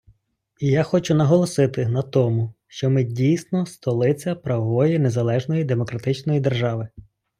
І я хочу наголосити на тому, що ми дійсно - столиця правової незалежної демократичної держави.